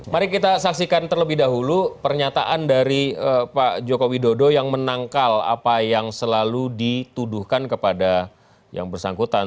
mari kita saksikan terlebih dahulu pernyataan dari pak joko widodo yang menangkal apa yang selalu dituduhkan kepada yang bersangkutan